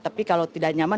tapi kalau tidak nyaman